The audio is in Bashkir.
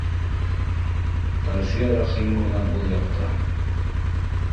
— Әлфиә Рәхимовна, был яҡта